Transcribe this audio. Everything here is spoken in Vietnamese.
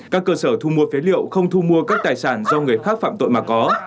các cơ sở thu mua phế liệu không thu mua các tài sản do người khác phạm tội mà có